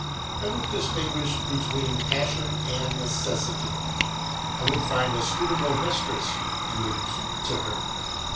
I would distinguish between passion and necessity, I would find a suitable mistress and would keep to her.